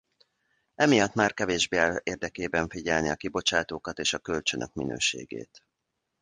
Emiatt már kevésbé áll érdekében figyelni a kibocsátókat és a kölcsönök minőségét.